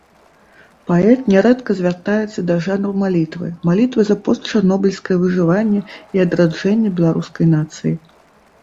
Паэт нярэдка звяртаецца да жанру малітвы, малітвы за постчарнобыльскае выжыванне і адраджэнне беларускай нацыі.